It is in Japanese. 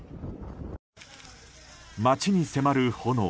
町に迫る炎。